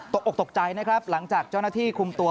ตกออกตกใจนะครับหลังจากเจ้าหน้าที่คุมตัว